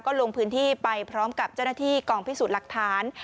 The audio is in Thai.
ลงพื้นที่ไปพร้อมกับเจ้าหน้าที่กองพิสูจน์หลักฐาน